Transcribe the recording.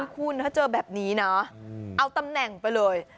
คุณถ้าเจอแบบนี้นะเอาตำแหน่งไปเลย